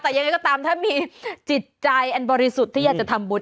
แต่ยังไงก็ตามถ้ามีจิตใจอันบริสุทธิ์ที่อยากจะทำบุญ